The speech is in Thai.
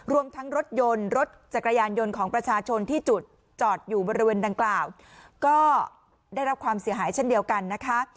รวมทั้งรถยนต์รถจักรยานยนต์ของประชาชนที่จุดจอดอยู่บริเวณดังกล่าวก็ได้รับความเสียหายเช่นเดียวกันนะคะ